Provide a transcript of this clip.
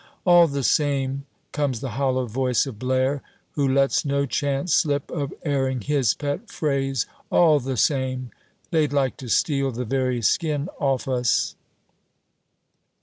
"All the same," comes the hollow voice of Blaire, who lets no chance slip of airing his pet phrase "All the same, they'd like to steal the very skin off us!"